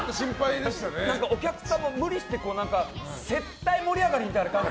お客さんも無理して接待盛り上がりみたいな。